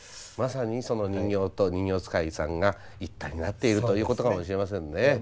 まさにその人形と人形遣いさんが一体になっているということかもしれませんね。